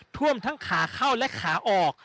ท่วมทั้งขาเข้าและขาออก